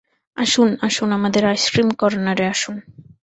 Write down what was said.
আসুন আসুন, আমাদের আইসক্রিম কর্নারে আসুন।